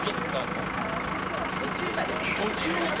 私は途中まで。